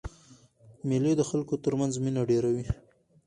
مېلې د خلکو تر منځ مینه ډېروي.